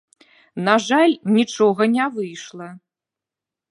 На жаль, нічога не выйшла.